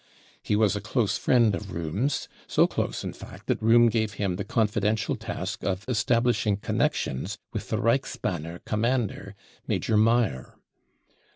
He was a close friend of Rohm's, so close, in fact, that Rohm gave him the confidential task of establish ing connections with the Reichsbanner commander, Major Mayr.